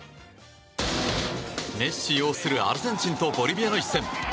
メッシ擁するアルゼンチンとボリビアの一戦。